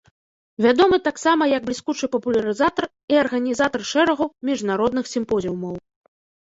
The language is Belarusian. Вядомы таксама як бліскучы папулярызатар і арганізатар шэрагу міжнародных сімпозіумаў.